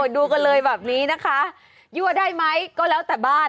ดูกันเลยแบบนี้นะคะยั่วได้ไหมก็แล้วแต่บ้าน